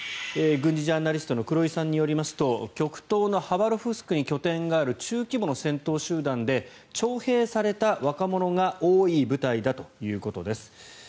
軍事ジャーナリストの黒井さんによりますと極東のハバロフスクに拠点がある中規模の戦闘集団で徴兵された若者が多い部隊だということです。